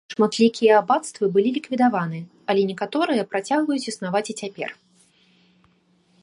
Шматлікія абацтвы былі ліквідаваны, але некаторыя працягваюць існаваць і цяпер.